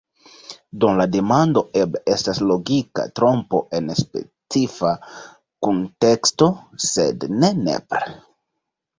Do la demando eble estas logika trompo en specifa kunteksto, sed ne nepre.